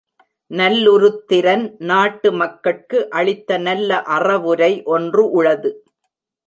நல்லுருத்திரன், நாட்டு மக்கட்கு அளித்த நல்ல அறவுரை ஒன்று உளது.